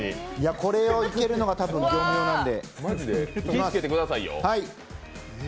これをいけるのが多分、業務用なので。